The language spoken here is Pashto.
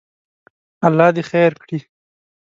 الله دې خیر کړي.